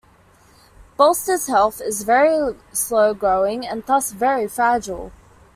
Bolster heath is very slow growing and thus very fragile.